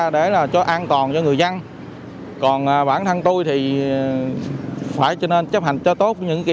đó là của chính phủ